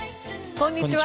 こんにちは。